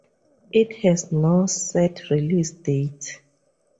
It has no set release date.